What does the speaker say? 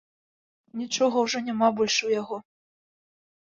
Нічога ўжо няма больш у яго.